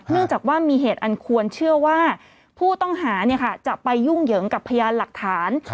จากว่ามีเหตุอันควรเชื่อว่าผู้ต้องหาจะไปยุ่งเหยิงกับพยานหลักฐาน